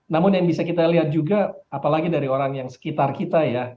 namun yang bisa kita lihat juga apalagi dari orang yang sekitar kita ya